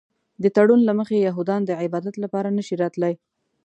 د تړون له مخې یهودان د عبادت لپاره نه شي راتلی.